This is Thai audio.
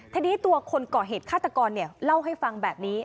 ทีนี้ตัวคนก่อเหตุฆาตกรเล่าให้ฟังแบบนี้